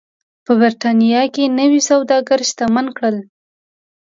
په برېټانیا کې نوي سوداګر شتمن کړل.